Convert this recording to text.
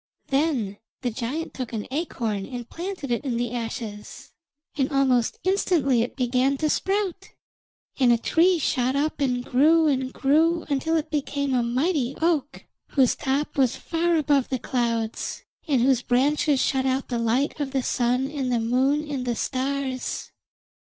Then the giant took an acorn and planted it in the ashes, and almost instantly it began to sprout, and a tree shot up and grew and grew until it became a mighty oak, whose top was far above the clouds, and whose branches shut out the light of the Sun and the Moon and the stars.